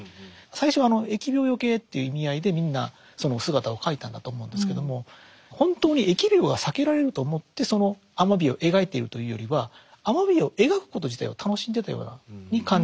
最初あの疫病よけっていう意味合いでみんなその姿を描いたんだと思うんですけどもほんとに疫病が避けられると思ってそのアマビエを描いてるというよりはアマビエを描くこと自体を楽しんでたようなに感じるんですね。